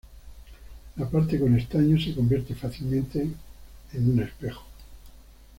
La parte con estaño se convierte fácilmente es un espejo.